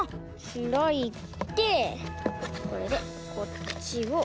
ひらいてこれでこっちを。